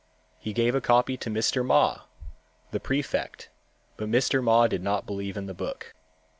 He gave a copy to Mr. Ma, the prefect, but Mr. Ma did not believe in the book.